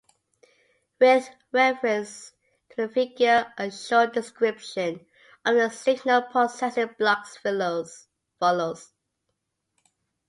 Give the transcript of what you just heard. With reference to the figure, a short description of the signal processing blocks follows.